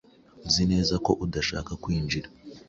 Uzi neza ko udashaka kwinjira?